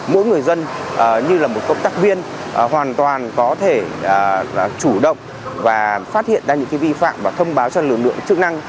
mỗi người dân như là một công tác viên hoàn toàn có thể chủ động và phát hiện ra những vi phạm và thông báo cho lực lượng chức năng